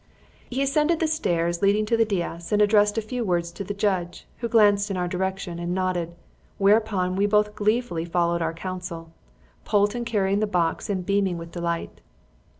He ascended the stairs leading to the dais and addressed a few words to the judge, who glanced in our direction and nodded, whereupon we both gleefully followed our counsel, Polton carrying the box and beaming with delight.